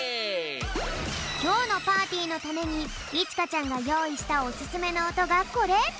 きょうのパーティーのためにいちかちゃんがよういしたオススメのおとがこれ！